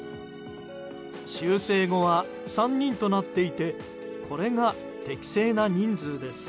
修正後は３人となっていてこれが適正な人数です。